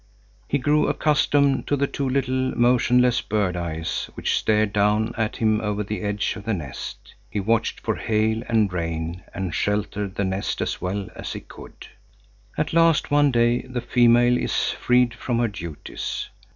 He grew accustomed to the two little, motionless bird eyes which stared down at him over the edge of the nest. He watched for hail and rain, and sheltered the nest as well as he could. At last one day the female is freed from her duties.